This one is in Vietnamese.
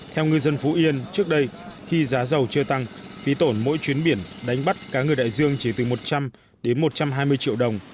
theo ngư dân phú yên trước đây khi giá dầu chưa tăng phí tổn mỗi chuyến biển đánh bắt cá ngừ đại dương chỉ từ một trăm linh đến một trăm hai mươi triệu đồng